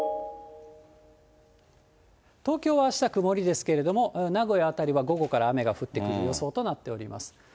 東京はあした曇りですけれども、名古屋辺りは午後から雨が降ってくる予想となっております。